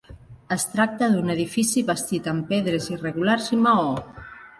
Es tracta d'un edifici bastit amb pedres irregulars i maó.